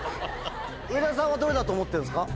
上田さんはどれだと思ってるんですか？